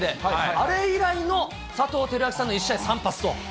あれ以来の佐藤輝明さんの１試合３発と。